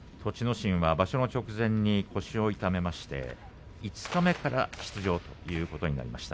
心は場所の直前に腰を痛めまして五日目から出場ということになりました。